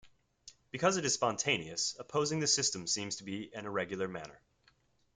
Because it is spontaneous, opposing the system seems to be an irregular manner.